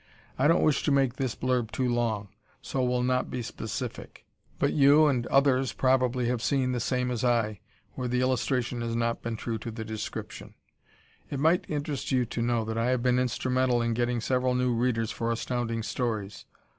I don't wish to make this blurb too long, so will not be specific, but you and others probably have seen the same as I, where the illustration has not been true to the description. It might interest you to know that I have been instrumental in getting several new readers for Astounding Stories.